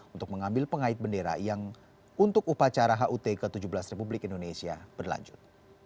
untuk mengambil pengait bendera yang untuk upacara hut ke tujuh belas republik indonesia berlanjut